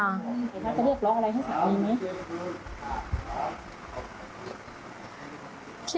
จะเลือกรออะไรข้างนี้ไหม